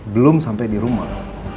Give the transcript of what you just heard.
belum sampai di rumah